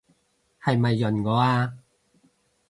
係咪潤我啊？